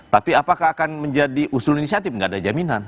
tapi apakah akan menjadi usul inisiatif nggak ada jaminan